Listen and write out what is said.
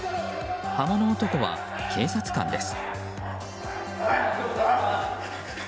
刃物男は警察官です。